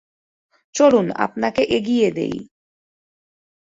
চলুন আপনাকে এগিয়ে দেই।